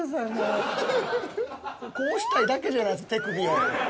こうしたいだけじゃないですか手首を。